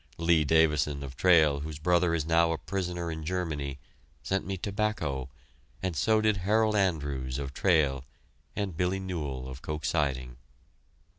Lee Davison, of Trail, whose brother is now a prisoner in Germany, sent me tobacco, and so did Harold Andrews, of Trail, and Billy Newell, of Koch Siding.